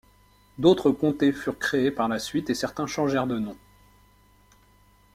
D'autres comtés furent créés par la suite et certains changèrent de noms.